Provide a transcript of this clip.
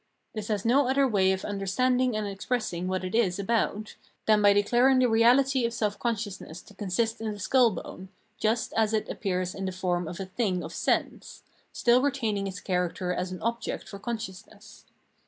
This has no other way of understanding and expressing what it is about than by declaring the reahty of self consciousness to consist in the skull bone, just as it appears in the form of a thing of sense, stiU retaining its character as an object for consciousness.